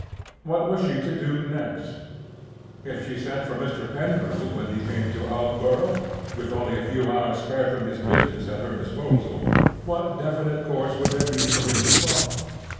What was she to do next? If she sent for Mr. Pendril when he came to Aldborough (with only a few hours spared from his business at her disposal), what definite course would there be for him to follow?